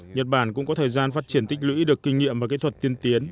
nhật bản cũng có thời gian phát triển tích lũy được kinh nghiệm và kỹ thuật tiên tiến